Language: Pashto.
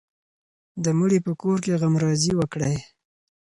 د مړي په کور کې غمرازي وکړئ.